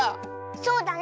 そうだね